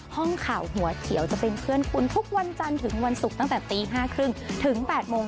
ห้องข่าวหัวเขียวจะเป็นเพื่อนคุณทุกวันจันทร์ถึงวันศุกร์ตั้งแต่ตี๕๓๐ถึง๘โมง